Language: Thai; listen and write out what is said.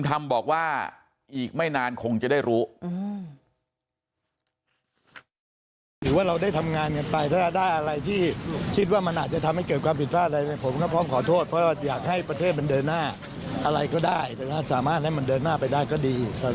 ถ้าได้อะไรที่คิดว่ามันจะทำให้เกิดความผิดพลาดใดกันผมก็พร้อมขอโทษเพราะอยากให้ประเทศมันเดินหน้าอะไรก็ได้สำหรับสามารถมันเดินหน้าไปได้ก็ดี